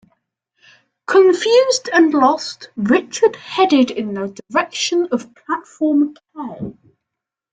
Confused and lost, Richard headed in the direction of platform K.